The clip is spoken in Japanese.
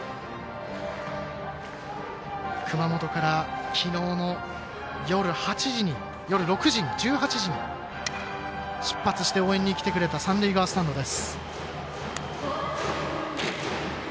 熊本からきのうの夜６時に出発して応援しにきてくれた三塁側スタンドです。